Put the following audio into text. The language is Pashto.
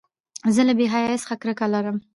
زه له بېحیایۍ څخه کرکه لرم.